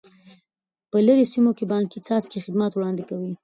په لیرې سیمو کې بانکي څانګې خدمات وړاندې کوي.